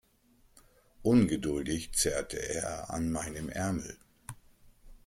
Ungeduldig zerrte er an meinem Ärmel.